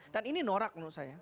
dan ini norak menurut saya